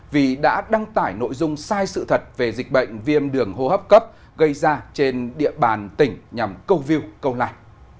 vì đã đăng tải nội dung sai sự thật về dịch bệnh viêm đường hô hấp cấp gây ra trên địa bàn tỉnh nhằm câu view câu like